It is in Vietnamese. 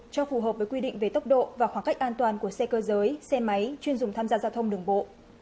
cho phù hợp với quy định về tốc độ và khoảng cách an toàn của xe cơ giới xe máy chuyên dùng tham gia giao thông đường bộ